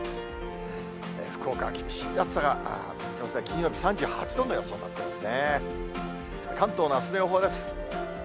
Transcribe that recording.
福岡は厳しい暑さが続きますね、金曜日３８度の予想になってますね。